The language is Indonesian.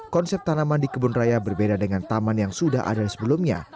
konsep tanaman di kebun raya berbeda dengan taman yang sudah ada sebelumnya